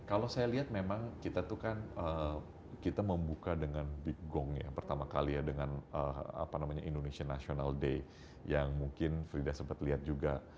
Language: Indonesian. kalau saya lihat memang kita tuh kan kita membuka dengan big gong ya pertama kali ya dengan apa namanya indonesian national day yang mungkin frida sempat lihat juga